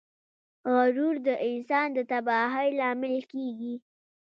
غرور د انسان د تباهۍ لامل کیږي.